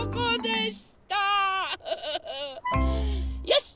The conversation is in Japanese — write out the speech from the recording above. よし！